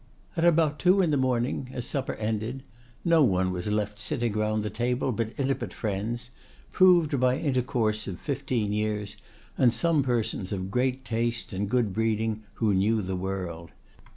At about two in the morning, as supper ended, no one was left sitting round the table but intimate friends, proved by intercourse of fifteen years, and some persons of great taste and good breeding, who knew the world.